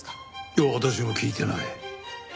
いや私も聞いてない。